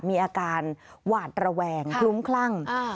มีอาการหวาดระแวงคลุ้มคลั่ง